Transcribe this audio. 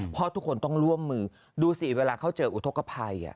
เพราะทุกคนต้องร่วมมือดูสิเวลาเขาเจออุทธกภัย